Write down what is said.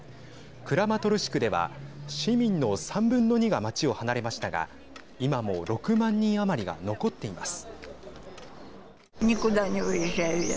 クラマトルシクでは市民の３分の２が町を離れましたが今も６万人余りが残っています。